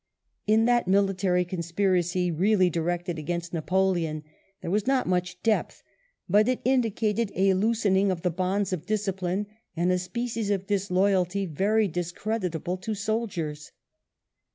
In that military conspiracy, really directed against Napoleon, there was not much depth, but it indicated a loosening of the bonds of discipline and a species of disloyalty very discreditable to soldiers.